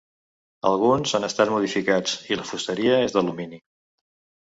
Alguns han estat modificats i la fusteria és d'alumini.